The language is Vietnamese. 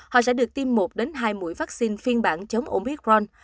họ sẽ được tiêm một đến hai mũi vaccine phiên bản chống omicron